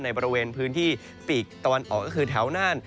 บริเวณพื้นที่ปีกตะวันออกก็คือแถวน่าน